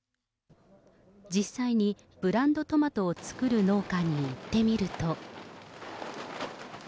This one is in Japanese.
実際にブランドトマトを作る農家に行ってみると。